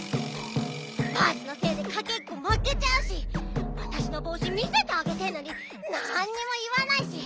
バースのせいでかけっこまけちゃうしわたしのぼうし見せてあげてるのになんにもいわないし！